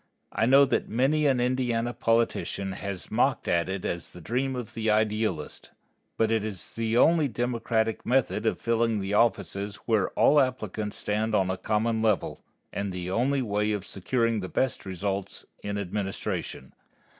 I know that many an Indiana politician has mocked at it as the dream of the idealist, but it is the only democratic method of filling the offices where all applicants stand upon a common level, and the only way of securing the best results in administration.